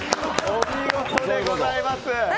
お見事でございます！